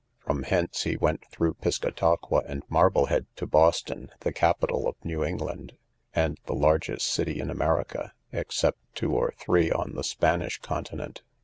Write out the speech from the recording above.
From hence he went through Piscataqua and Marblehead to Boston, the capital of New England, and the largest city in America, except two or three on the Spanish continent.